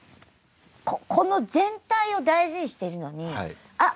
ここの全体を大事にしてるのに分かります。